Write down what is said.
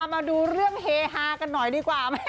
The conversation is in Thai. มาดูเรื่องเฮฮากันหน่อยดีกว่าไหม